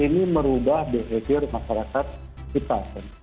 ini merubah behavior masyarakat kita